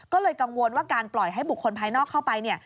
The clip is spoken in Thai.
ก็เลยกังวลว่าการปล่อยให้บุคคลภายนอกเข้าไปเนี่ย